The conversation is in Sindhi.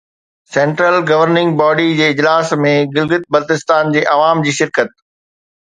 سينٽرل گورننگ باڊي جي اجلاس ۾ گلگت بلتستان جي عوام جي شرڪت